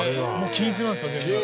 均一なんですか。